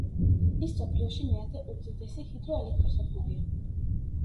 ის მსოფლიოში მეათე უდიდესი ჰიდროელექტროსადგურია.